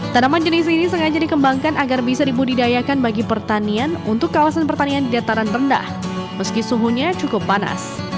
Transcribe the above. tanaman jenis ini sengaja dikembangkan agar bisa dibudidayakan bagi pertanian untuk kawasan pertanian di dataran rendah meski suhunya cukup panas